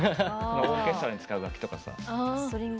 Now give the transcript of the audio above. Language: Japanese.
オーケストラに使う楽器とか。